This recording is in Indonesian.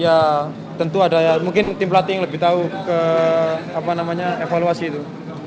ya tentu ada ya mungkin tim pelatih yang lebih tahu ke evaluasi itu